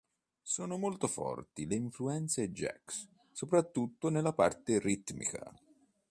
Sono molto forti le influenze jazz, soprattutto nella parte ritmica.